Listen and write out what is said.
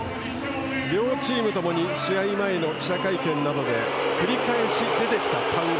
両チームともに試合前の記者会見などで繰り返し出てきた単語。